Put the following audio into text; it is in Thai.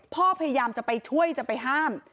พยายามจะไปช่วยจะไปห้าม